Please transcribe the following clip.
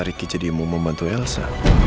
ricky jadi mau membantu elsa